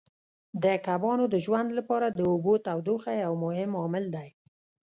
د کبانو د ژوند لپاره د اوبو تودوخه یو مهم عامل دی.